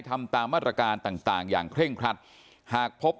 ทำตามมาตรการต่างต่างอย่างเคร่งครัดหากพบ